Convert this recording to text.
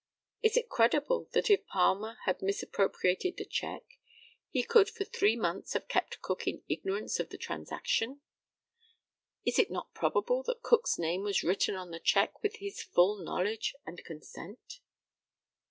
Is it credible that if Palmer had misappropriated the cheque he could for three months have kept Cook in ignorance of the transaction? Is it not probable that Cook's name was written on the cheque with his full knowledge and consent?